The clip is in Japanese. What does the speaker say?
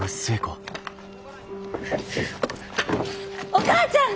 お母ちゃん！